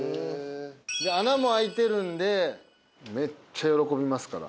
穴も開いてるんでめっちゃ喜びますから。